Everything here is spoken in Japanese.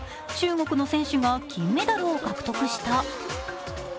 中国の選手が金メダルを獲得した。